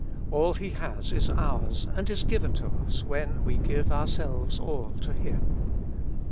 All He has is ours and is given to'us when we give ourselves all to Him.